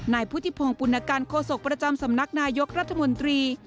นายพุทธิพงศ์ปุณการโฆษกประจำสำนักนายกรัฐมนตรี